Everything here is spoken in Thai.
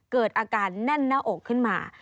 เกิดอาการแน่นหน้าอกขึ้นมา